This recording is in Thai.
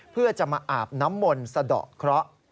เพื่อจะมาอาบน้ำมนต์สะดอกเคราะห์